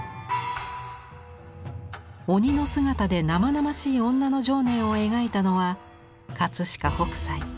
鬼の姿で生々しい女の情念を描いたのは飾北斎。